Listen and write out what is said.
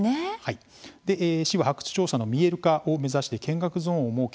市は、発掘調査の見える化を目指して、見学ゾーンを設け